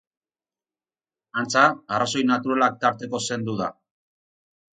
Antza, arrazoi naturalak tarteko zendu da.